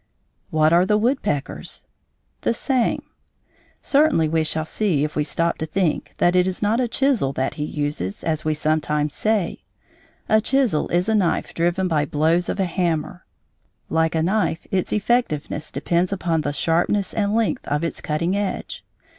What are the woodpecker's? The same. Certainly we shall see, if we stop to think, that it is not a chisel that he uses, as we sometimes say. A chisel is a knife driven by blows of a hammer; like a knife its effectiveness depends upon the sharpness and length of its cutting edge.